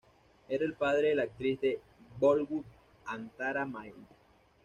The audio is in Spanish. Era el padre de la actriz de Bollywood, Antara Mali.